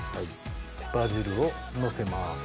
バジルをのせます。